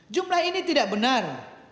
jumlah ini tidak benar